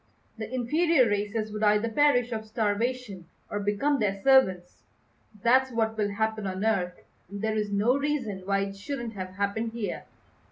The inferior races would either perish of starvation or become their servants. That's what will happen on Earth, and there is no reason why it shouldn't have happened here."